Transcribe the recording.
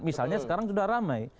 misalnya sekarang sudah ramai